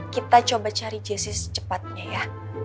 kita coba cari jesse secepatnya ya